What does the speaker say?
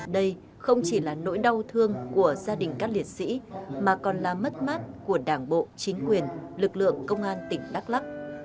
đây không chỉ là nỗi đau thương của gia đình các liệt sĩ mà còn là mất mát của đảng bộ chính quyền lực lượng công an tỉnh đắk lắc